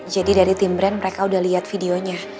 jadi dari tim brand mereka sudah lihat videonya